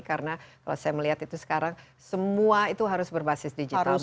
karena kalau saya melihat itu sekarang semua itu harus berbasis digital